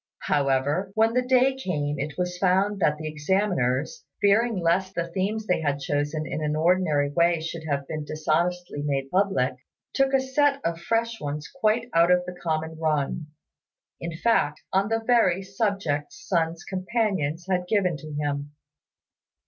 However, when the day came it was found that the examiners, fearing lest the themes they had chosen in an ordinary way should have been dishonestly made public, took a set of fresh ones quite out of the common run in fact, on the very subjects Sun's companions had given to him.